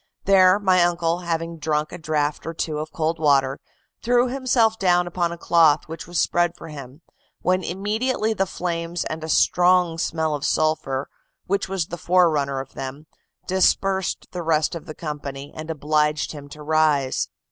There my uncle, having drunk a draught or two of cold water, threw himself down upon a cloth which was spread for him, when immediately the flames, and a strong smell of sulphur which was the forerunner of them, dispersed the rest of the company, and obliged him to rise.